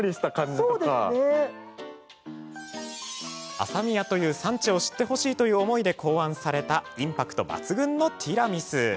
朝宮という産地を知ってほしいという思いで考案されたインパクト抜群のティラミス。